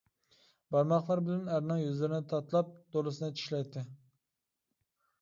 بارماقلىرى بىلەن ئەرنىڭ يۈزلىرىنى تاتىلاپ، دولىسىنى چىشلەيتتى.